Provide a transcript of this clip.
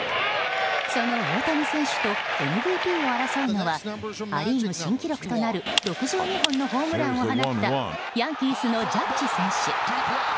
その大谷選手とＭＶＰを争うのはア・リーグ新記録となる６２本のホームランを放ったヤンキースのジャッジ選手。